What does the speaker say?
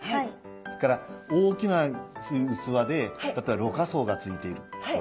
それから大きな器で例えばろ過装がついているこういう。